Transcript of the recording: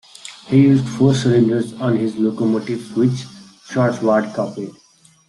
He used four cylinders on his locomotives, which Churchward copied.